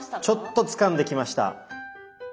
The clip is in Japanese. ちょっとつかんできました。